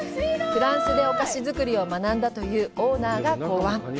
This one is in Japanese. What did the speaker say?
フランスでお菓子作りを学んだというオーナーが考案。